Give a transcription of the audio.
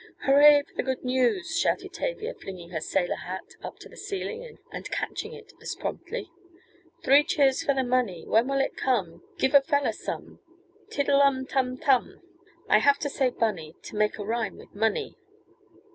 "Hurrah for the good news!" shouted Tavia, flinging her sailor hat up to the ceiling and catching it as promptly. "Three cheers for the money, When will it come? Give a feller some Tiddle umtum tum I have to say bunny, To make a rhyme with money!"